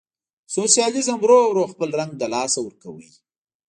سوسیالیزم ورو ورو خپل رنګ له لاسه ورکاوه.